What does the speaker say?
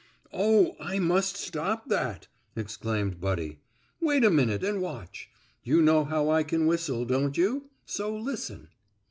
"Oh, I must stop that!" exclaimed Buddy. "Wait a minute and watch. You know how I can whistle, don't you? so listen."